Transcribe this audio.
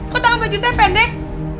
kok tangan pecusnya pendek